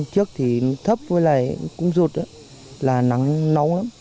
trước thì nó thấp với lại cũng rụt đó là nắng nóng lắm